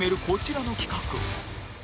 こちらの企画